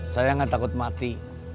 saya gak takut mati